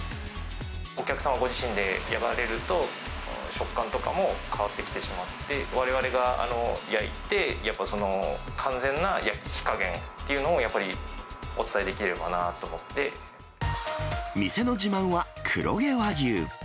お客様ご自身で焼かれると、食感とかも変わってきてしまって、われわれが焼いて、やっぱその完全な焼き加減というのをやっぱりお伝えできればなと店の自慢は黒毛和牛。